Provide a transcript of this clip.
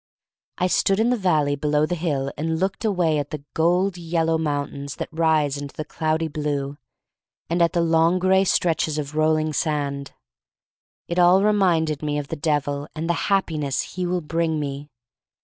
I stood in the valley below the hill and looked away at the gold yellow mountains that rise into the cloudy blue, and at the long gray stretches of rolling sand. It all reminded me of the Devil and the Happiness he will bring me.